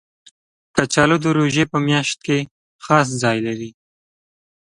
کچالو د روژې په میاشت کې خاص ځای لري